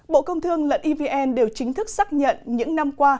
bộ công thương lận evn đều chính thức xác nhận những năm qua